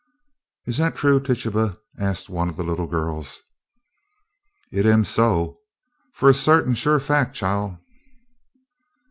"Is that true, Tituba?" asked one of the little girls. "It am so, fur er sartin sure fact, chile."